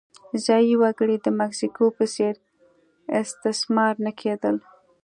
ځايي وګړي د مکسیکو په څېر استثمار نه کېدل.